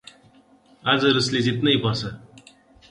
आज रूसले जित्न पर्छ ।